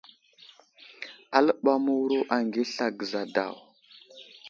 Aləɓay məwuro aghi asla gəza daw.